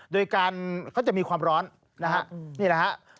โดยการเขาจะมีความร้อนนะครับนี่แหละครับ